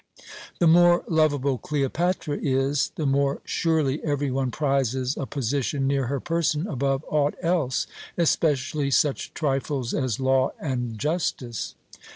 The more lovable Cleopatra is, the more surely every one prizes a position near her person above aught else, especially such trifles as law and justice."